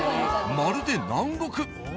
まるで南国！